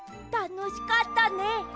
たのしかったね。